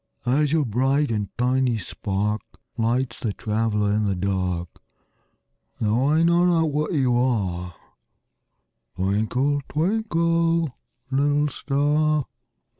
As your bright and tiny spark Lights the traveler in the dark, Though I know not what you are, Twinkle, twinkle, little star.